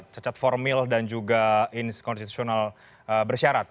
cacat formil dan juga ins konstitusional bersyarat